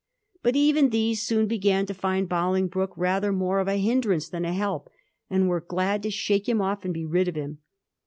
But even these soon began to find Boling broke rather more of a hindrance than a help, and were glad to shake him off and be rid of him.